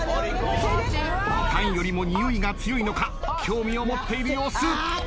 タンよりもにおいが強いのか興味を持っている様子。